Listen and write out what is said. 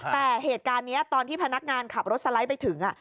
แต่เหตุการณ์นี้ตอนที่พนักงานขับรถสไลด์ไปถึง